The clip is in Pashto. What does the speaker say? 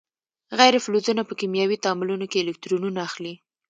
غیر فلزونه په کیمیاوي تعاملونو کې الکترونونه اخلي.